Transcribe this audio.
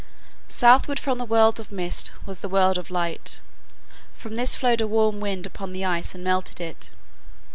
Southward from the world of mist was the world of light. From this flowed a warm wind upon the ice and melted it.